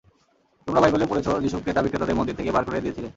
তোমরা বাইবেলেও পড়েছ, যীশু ক্রেতা-বিক্রেতাদের মন্দির থেকে বার করে দিয়েছিলেন।